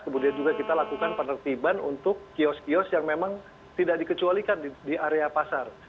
kemudian juga kita lakukan penertiban untuk kios kios yang memang tidak dikecualikan di area pasar